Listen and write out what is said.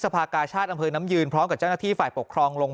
ภากาชาติอำเภอน้ำยืนพร้อมกับเจ้าหน้าที่ฝ่ายปกครองลง